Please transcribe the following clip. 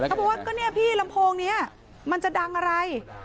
เขาบอกว่าพี่ลำโพงนี้มันจะดังอะไร